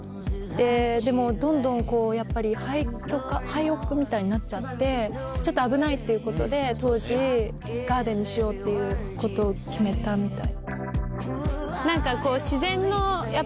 でもどんどんやっぱり廃虚化廃屋みたいになっちゃってちょっと危ないっていうことで当時ガーデンにしようっていうことを決めたみたい。